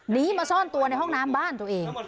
หนีมาซ่อนตัวในห้องน้ำบ้านตัวเอง